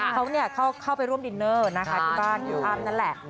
เขาเข้าไปร่วมดินเนอร์นะคะที่บ้านคุณอ้ำนั่นแหละ